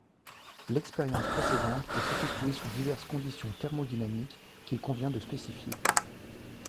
L'expérience précédente peut s'effectuer sous diverses conditions thermodynamiques, qu'il convient de spécifier.